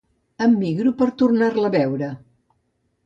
Em migro per tornar-la a veure.